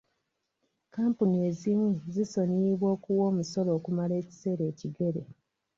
Kkampuni ezimu zisonyiyibwa okuwa omusolo okumala ekiseera ekigere.